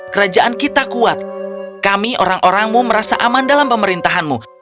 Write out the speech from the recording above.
kerajaan kita kuat kami orang orangmu merasa aman dalam pemerintahanmu